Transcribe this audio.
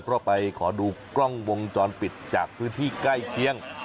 เพราะไปขอดูกล้องวงจรปิดจากพื้นที่ใกล้เคียง